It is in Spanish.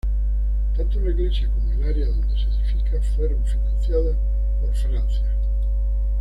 Tanto la iglesia como el área donde se edifica fueron financiadas por Francia.